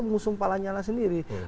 mengusung pak lanyala sendiri